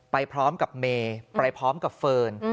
ไปพร้อมกับเมย์ไปพร้อมกับเฟิร์น